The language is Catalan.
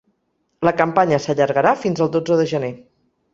La campanya s’allargarà fins el dotze de gener.